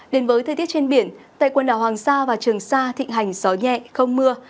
đến với thời tiết trên biển tại quần đảo hoàng sa và trường sa thịnh hành gió nhẹ không mưa